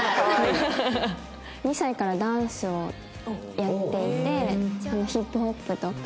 ２歳からダンスをやっていてヒップホップとか。